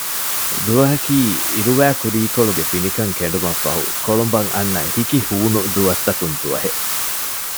ދުވަހަކީ އިރުވައި ކުރީކޮޅުގެ ފިނިކަން ކެނޑުމަށް ފަހު ކޮޅުނބަށް އަންނަ ހިކި ހޫނު ދުވަސްތަކުން ދުވަހެއް